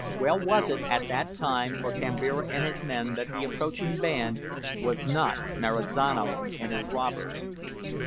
Well was it at that time for Kambira and his men that the approaching band was not Marizano and his robbers.